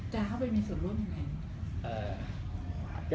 จะทำให้มีส่วนร่วมยังไง